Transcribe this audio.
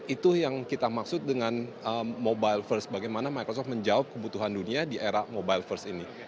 itu yang kita maksud dengan mobile first bagaimana microsoft menjawab kebutuhan dunia di era mobile first ini